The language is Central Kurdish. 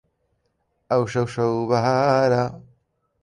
ئەوشەو شەو بەهارە